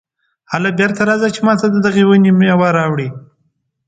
هله بېرته راځه چې ماته د دغې ونې مېوه راوړې.